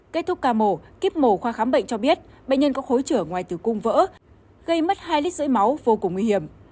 kết thúc ca mổ kít mổ khoa khám bệnh cho biết bệnh nhân có khối trưởng ngoài tử cung vỡ gây mất hai lít rưỡi máu vô cùng nguy hiểm